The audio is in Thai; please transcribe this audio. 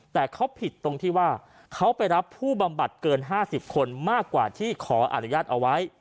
แต่เขาผิดตรงที่ว่าเขาไปรับผู้บำบัดเกิน๕๐คนมากกว่าที่ขออนุญาตเอาไว้